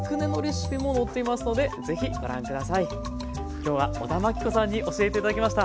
きょうは小田真規子さんに教えて頂きました。